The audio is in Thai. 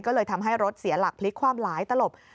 ก็เลยทำให้รถเสียหลักพลิกความหลายตลบ